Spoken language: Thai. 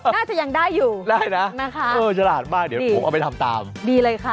น่าจะยังได้อยู่ได้นะนะคะเออฉลาดมากเดี๋ยวผมเอาไปทำตามดีเลยค่ะ